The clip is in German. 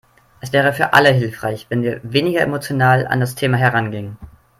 Es wäre für alle hilfreich, wenn wir weniger emotional an das Thema herangingen.